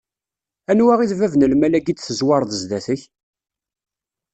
Anwa i d bab n lmal-agi i d-tezzewreḍ zdat-k?